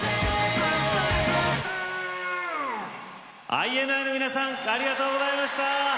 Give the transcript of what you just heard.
ＩＮＩの皆さんありがとうございました。